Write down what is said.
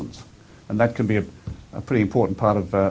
yang bisa berjumlah dari ribuan ribuan